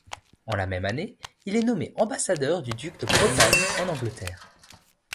En la même année, il est nommé ambassadeur du duc de Bretagne en Angleterre.